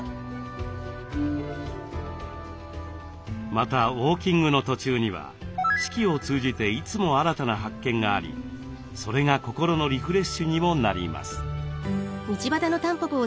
またウォーキングの途中には四季を通じていつも新たな発見がありそれが心のリフレッシュにもなります。